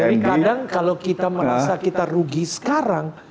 jadi kadang kalau kita merasa kita rugi sekarang